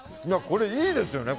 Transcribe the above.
これいいですよね。